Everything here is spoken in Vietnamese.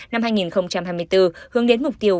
năm hai nghìn hai mươi bốn hướng đến mục tiêu